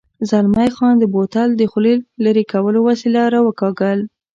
زلمی خان د بوتل د خولې لرې کولو وسیله را وکاږل.